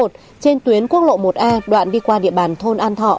trên tuyến quốc lộ một a đoạn đi qua địa bàn thôn an thọ